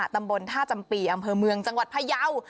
ตำบลท่าจัมภิษฐ์องค์เมืองจังหวัดพะเยาว์